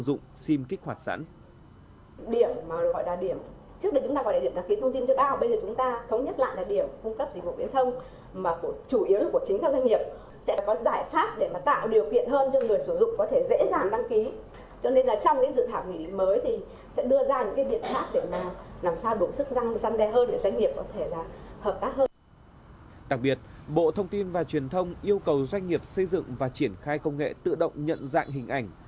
đặc biệt bộ thông tin và truyền thông yêu cầu doanh nghiệp xây dựng và triển khai công nghệ tự động nhận dạng hình ảnh